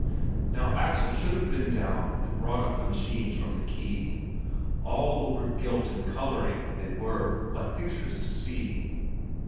Now Axel should have been down and brought up the machines from the quay all over gilt and colouring they were, like pictures to see.